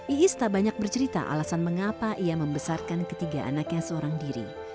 iis tak banyak bercerita alasan mengapa ia membesarkan ketiga anaknya seorang diri